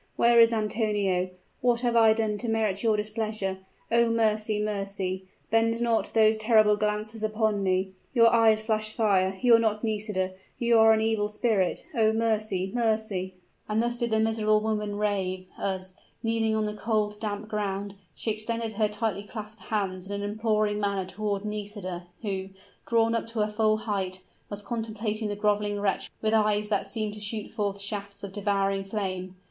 Where is Antonio? What have I done to merit your displeasure? Oh, mercy! mercy! Bend not those terrible glances upon me! Your eyes flash fire! You are not Nisida you are an evil spirit! Oh, mercy! mercy!" And thus did the miserable woman rave, as, kneeling on the cold, damp ground she extended her tightly clasped hands in an imploring manner toward Nisida, who, drawn up to her full height, was contemplating the groveling wretch with eyes that seemed to shoot forth shafts of devouring flame!